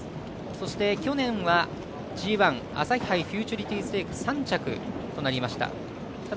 そして、去年はＧＩ朝日フューチュリティステークス３着となりました。